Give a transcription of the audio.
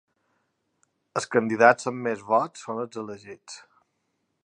Els candidats amb més vots són els elegits.